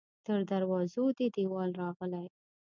تر دروازو دې دیوال راغلی